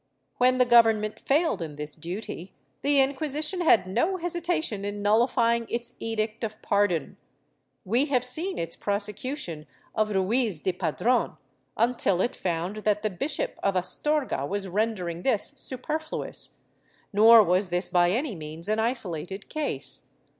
When the Government failed in this duty, the Inquisition had no hesitation in nullifying its edict of pardon. We have seen its prosecution of Ruiz de Padron, until it found that the Bishop of Astorga was rendering this superfluous, nor was this by any means an isolated case.